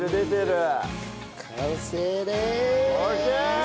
完成でーす！